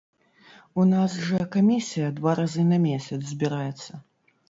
У нас жа камісія два разы на месяц збіраецца.